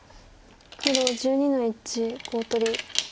黒１２の一コウ取り。